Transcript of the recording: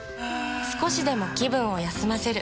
少しでも気分を休ませる。